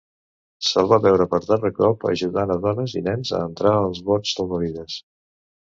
Se'l va veure per darrer cop ajudant a dones i nens a entrar als bots salvavides.